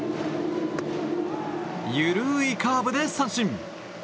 緩いカーブで三振。